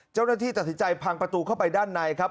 เจ้าหน้าที่ตัดสินใจพังประตูเข้าไปด้านในครับ